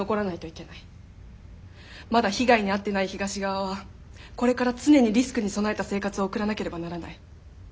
まだ被害に遭ってない東側はこれから常にリスクに備えた生活を送らなければならない。